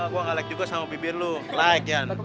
gue gak like juga sama bibir lo like yan